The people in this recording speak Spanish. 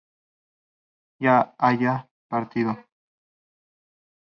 yo haya partido